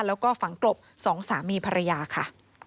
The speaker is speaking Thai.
แล้วก็ฝังกลบสองสามีภรรยาค่ะ